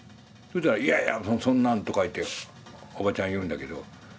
そしたら「いやいやそんなん」とかいっておばちゃん言うんだけど。